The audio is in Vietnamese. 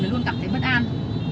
luôn cảm thấy bất an